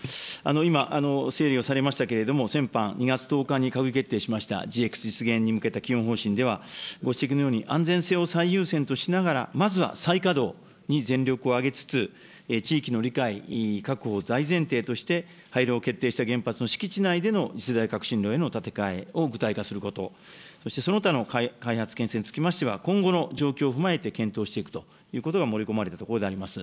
今、整理をされましたけれども、先般２月１０日に閣議決定しました、ＧＸ実現に向けた基本方針では、ご指摘のように安全性を最優先としながら、まずは再稼働に全力をあげつつ、地域の理解確保を大前提として、廃炉を決定した原発の敷地内での次世代革新炉への建て替えを具体化すること、そしてその他の開発、建設につきましては今後の状況を踏まえて検討していくということが盛り込まれたところであります。